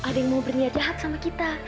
ada yang mau berniat jahat sama kita